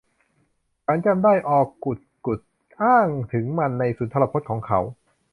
ฉันจำได้ ออกุสกุสอ้างถึงมันในสุนทรพจน์ของเขา